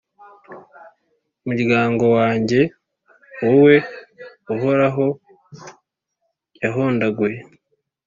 Muryango wanjye, wowe Uhoraho yahondaguye,